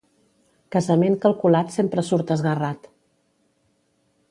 Casament calculat sempre surt esguerrat.